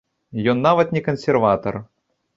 Ён нават не кансерватар.